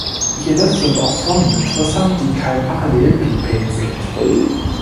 Jedoch sind auch Formen interessant, die kein Parallelepiped sind.